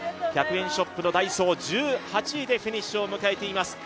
１００円ショップのダイソー、１８位でフィニッシュを迎えています。